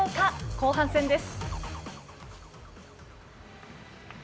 後半戦です。